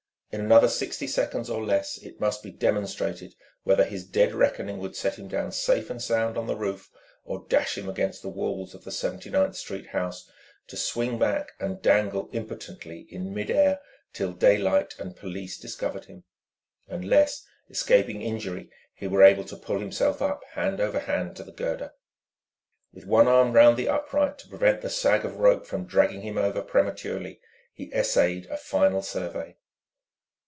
In another sixty seconds or less it must be demonstrated whether his dead reckoning would set him down safe and sound on the roof or dash him against the walls of the Seventy ninth Street house, to swing back and dangle impotently in mid air till daylight and police discovered him unless, escaping injury, he were able to pull himself up hand over hand to the girder. With one arm round the upright to prevent the sag of rope from dragging him over prematurely, he essayed a final survey.